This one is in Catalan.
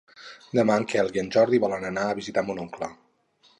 Demà en Quel i en Jordi volen anar a visitar mon oncle.